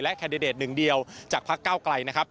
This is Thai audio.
และแคดเดตหนึ่งเดียวจากภักดิ์เก้าไกรนะครับ